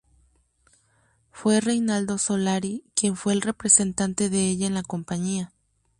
Fue Reinaldo Solari quien fue el representante de ellas en la compañía.